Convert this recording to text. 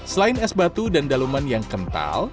selain es batu dan daluman yang kental